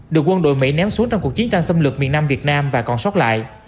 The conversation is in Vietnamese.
được quân đội mỹ ném xuống trong cuộc chiến tranh xâm lược miền nam việt nam và còn sót lại